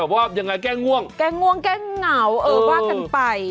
โห้ยเต้าแคล้กกแกง่วงแกง่อวาสกันไป